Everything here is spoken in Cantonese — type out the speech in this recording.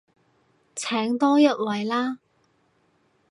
請多一位啦